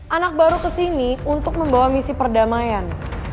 anak baru ke sini untuk membawa misi perdamaian